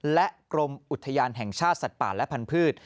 และกรมอุทยานแห่งชาติสัตว์ป่าและพันธุ์